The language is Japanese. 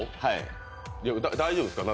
大丈夫ですか？